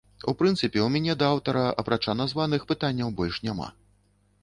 У прынцыпе і ў мяне да аўтара, апрача названых, пытанняў больш няма.